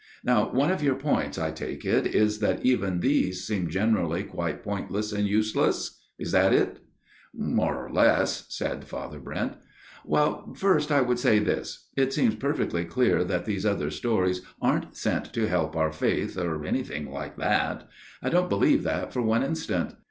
Now one of your points, I take it, is that even these seem generally quite pointless and useless ? Is that it ?"" More or less," said Father Brent. " Well, first, I would say this. It seems perfectly clear that these other stories aren't sent to help our faith, or anything like that. I don't believe that for one instant.